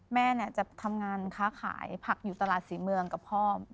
แม่จะทำงานค้าขายผักอยู่ตลาดศรีเมืองกับพ่อ